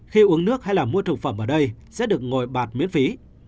khi uống nước hay là mua thực phẩm ở đây sẽ được ngồi bạt miễn phí